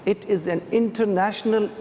ini adalah hal internasional